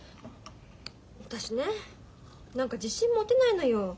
私ね何か自信持てないのよ。